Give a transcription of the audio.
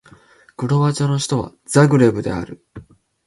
クロアチアの首都はザグレブである